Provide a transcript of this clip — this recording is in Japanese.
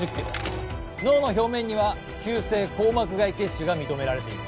脳の表面には急性硬膜外血腫が認められている。